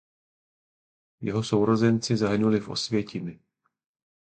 Jeho sourozenci zahynuli v Osvětimi.